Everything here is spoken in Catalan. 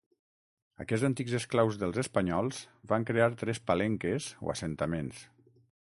Aquests antics esclaus dels espanyols van crear tres palenques o assentaments.